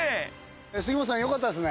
杉本さんよかったですね。